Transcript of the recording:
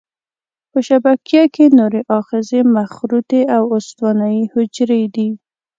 په شبکیه کې نوري آخذې مخروطي او استوانه یي حجرې دي.